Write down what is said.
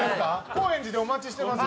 高円寺でお待ちしてますよ。